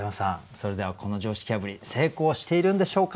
それではこの常識破り成功しているんでしょうか？